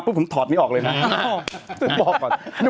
พึ่งผมถอดนี้ออกเลยนะ